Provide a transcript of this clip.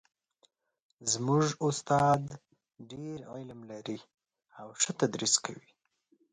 زموږ استاد ډېر علم لري او ښه تدریس کوي